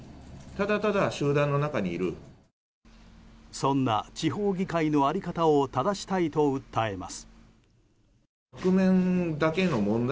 そんな地方議会の在り方を正したいと訴えます。